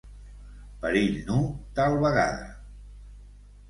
Perill nu, tal vegada.